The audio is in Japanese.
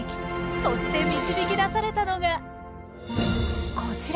そして導き出されたのがこちら。